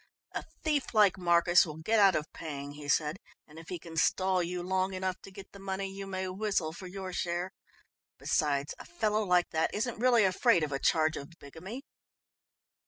"A thief like Marcus will get out of paying," he said, "and if he can stall you long enough to get the money you may whistle for your share. Besides, a fellow like that isn't really afraid of a charge of bigamy."